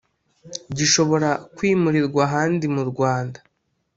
gishobora kwimurirwa ahandi mu rwanda